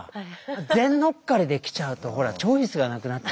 全のっかりで来ちゃうとほらチョイスがなくなっちゃうから。